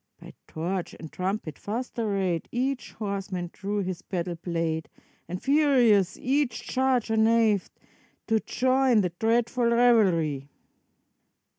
By torch and trumpet fast arrayed, Each horseman drew his battle blade. And furious each charger neighed, To join the dreadful revelry.